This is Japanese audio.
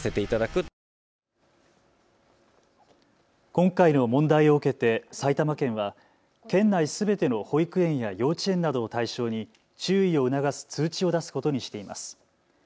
今回の問題を受けて埼玉県は県内すべての保育園や幼稚園などを対象に注意を促す通知を出すことにしています。